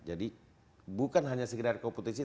jadi bukan hanya sekedar kompetisi